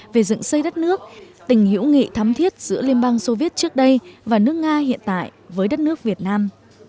về dựng xây đất nước tình hữu nghị thắm thiết giữa liên bang soviet trước đây và nước nga hiện tại với đất nước việt nam